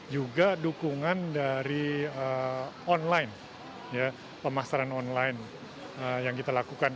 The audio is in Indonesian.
juga dukungan dari online pemasaran online yang kita lakukan